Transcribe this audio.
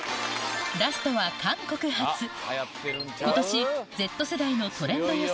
ラストは今年Ｚ世代のトレンド予想